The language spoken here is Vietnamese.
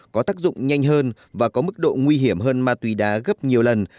có tác dụng nhanh hơn và có mức độ nguy hiểm hơn ma túy đá gấp nhiều lần